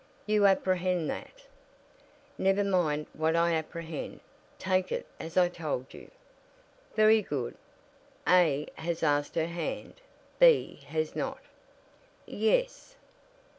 "You apprehend that " "Never mind what I 'apprehend.' Take it as I told you." "Very good. A has asked her hand, B has not." "Yes."